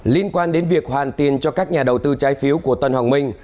liên quan đến việc hoàn tiền cho các nhà đầu tư trái phiếu của tân hoàng minh